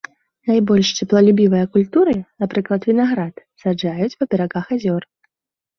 Найбольш цеплалюбівыя культуры, напрыклад вінаград, саджаюць па берагах азёр.